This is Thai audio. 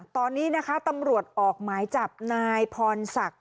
ตอนนี้นะคะตำรวจออกหมายจับนายพรศักดิ์